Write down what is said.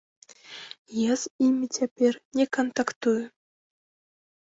Я з імі цяпер не кантактую.